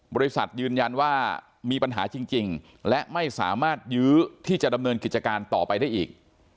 บริษัทยืนยันว่ามีปัญหาจริงและไม่สามารถยื้อที่จะดำเนินกิจการต่อไปได้อีก